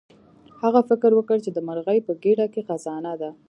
هغه فکر وکړ چې د مرغۍ په ګیډه کې خزانه ده.